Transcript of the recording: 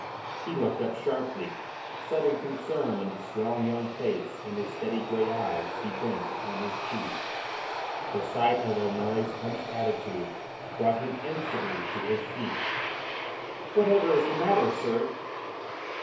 He looked up sharply, sudden concern in the strong young face and the steady grey eyes he bent upon his chief. The sight of O'Moy's hunched attitude brought him instantly to his feet. "Whatever is the matter, sir?"